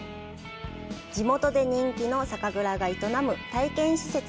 地元で人気の酒蔵が営む体験施設。